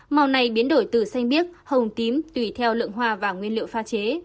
màu này biến đổi từ xanh biếc hồng tím tùy theo lượng hoa và nguyên liệu pha chế